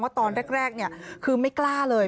ตอนแรกคือไม่กล้าเลย